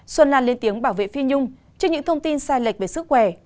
xuân an lên tiếng bảo vệ phi nhung trước những thông tin sai lệch về sức khỏe